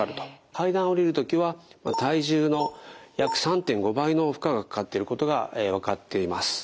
階段を下りる時は体重の約３．５倍の負荷がかかっていることが分かっています。